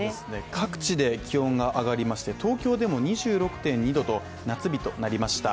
各地で気温が上がりまして東京でも２６．２℃と夏日となりました